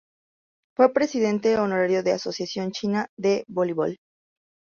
Fue Presidente Honorario de la Asociación China de Voleibol.